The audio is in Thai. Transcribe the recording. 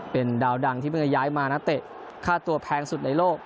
เป็นดาวดังที่เพิ่งจะย้ายมานักเตะค่าตัวแพงสุดในโลก